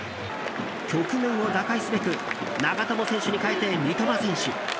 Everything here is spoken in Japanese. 局面を打開すべく長友選手に代えて三笘選手。